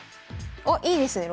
あっいいですね